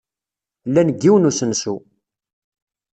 Llan deg yiwen n usensu.